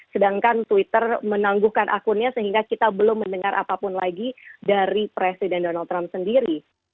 sedangkan twitter menangguhkan akunnya sehingga kita belum mendengar apapun lagi dari presiden donald trump sendiri